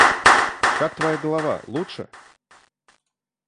Как твоя голова, лучше?